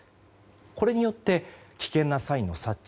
これによって危険なサインの察知